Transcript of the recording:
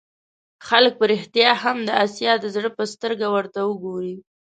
خلک په رښتیا هم د آسیا د زړه په سترګه ورته وګوري.